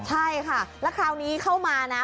ใช่ค่ะแล้วคราวนี้เข้ามานะ